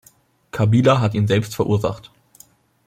Kabila hat ihn selbst verursacht.